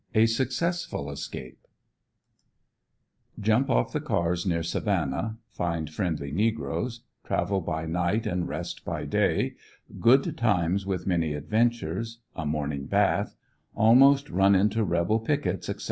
A SUCCESSFUL ESCAPE JUMP OFF THE CARS NEAR SAVANNAH — FIND FRIENDLY NEGROES — TRAVEL BY NIGHT AND REST BY DAY — GOOD TIMES WITH MANY ADVENTURES— A MORNING BATH— ALMOST RUN INTO REBEL PICK ETS3 ETC.